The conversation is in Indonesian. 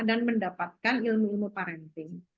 dan mendapatkan ilmu ilmu parenting